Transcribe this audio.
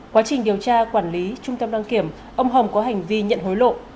quá trình điều tra quản lý trung tâm đăng kiểm ông hồng có hành vi nhận hối lộ